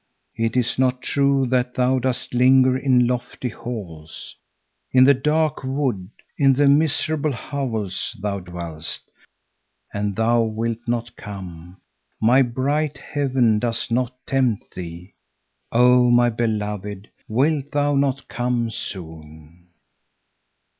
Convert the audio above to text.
"It is not true that thou dost linger in lofty halls. In the dark wood, in miserable hovels thou dwellest. And thou wilt not come. My bright heaven does not tempt thee. "Oh, my beloved, wilt thou not come soon?"